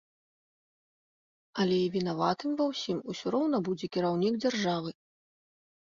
Але і вінаватым ва ўсім усё роўна будзе кіраўнік дзяржавы.